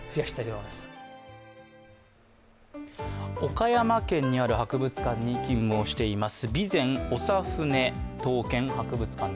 岡山県にある博物館に勤務をしています。